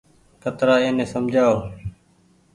ڪترآ ايني سمجهآئو۔